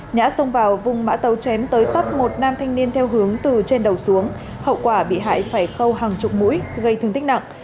ngã xông vào vùng mã tàu chém tới tóp một nam thanh niên theo hướng từ trên đầu xuống hậu quả bị hại phải khâu hàng chục mũi gây thương tích nặng